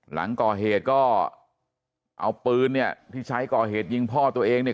หลังก่อเหตุก็เอาปืนเนี่ยที่ใช้ก่อเหตุยิงพ่อตัวเองเนี่ย